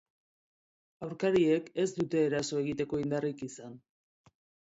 Aurkariek ez dute eraso egiteko indarrik izan.